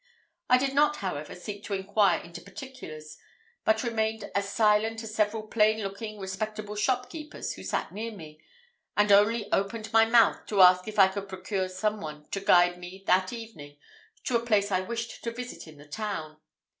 I did not, however, seek to inquire into particulars; but remained as silent as several plain looking respectable shopkeepers, who sat near me, and only opened my mouth to ask if I could procure some one to guide me that evening to a place I wished to visit in the town.